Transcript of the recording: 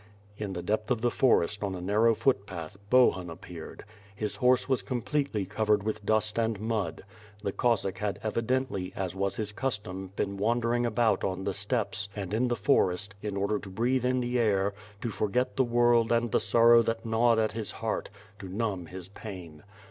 In the depth of the forest, on a narrow footpath, Bohun appeared. His horse was completely covered with dust and mud. The Cossack had evidently, as was his custom been wandering about on the steppes, and in the forest, in order to breathe in the air, to forget the world and the sorrow that gnawed at his heart — to numb his pain.